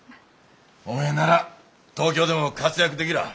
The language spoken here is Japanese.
おめえなら東京でも活躍できらあ。